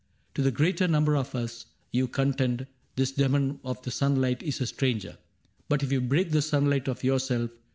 " To the greater number of us, you contend. This demon of the sunlight is a stranger ; But if you break the sunlight of yourself.